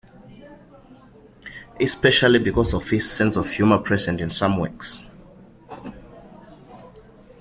Especially because of his sense of humor present in some works.